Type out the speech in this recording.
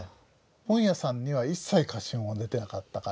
本屋さんには一切貸本は出てなかったから。